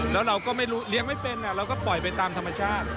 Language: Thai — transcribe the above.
แล้วเราก็ไม่รู้เลี้ยงไม่เป็นเราก็ปล่อยไปตามธรรมชาติ